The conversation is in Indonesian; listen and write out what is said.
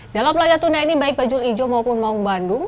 dalam laga tuna ini baik bajul ijo maupun maung bandung